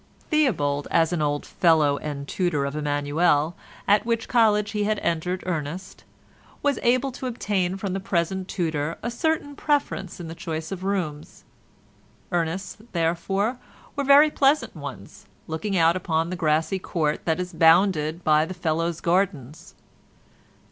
Theobald, as an old fellow and tutor of Emmanuel—at which college he had entered Ernest—was able to obtain from the present tutor a certain preference in the choice of rooms; Ernest's, therefore, were very pleasant ones, looking out upon the grassy court that is bounded by the Fellows' gardens.